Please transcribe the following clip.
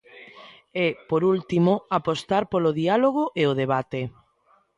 E, por último, apostar polo diálogo e o debate.